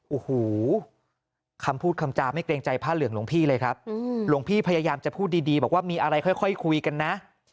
โอ้โหคำพูดคำจาไม่เกรงใจผ้าเหลืองหลวงพี่เลยครับหลวงพี่พยายามจะพูดดีบอกว่ามีอะไรค่อยคุยกันนะ